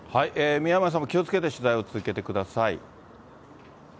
宮前さんも気をつけて取材を続けてください。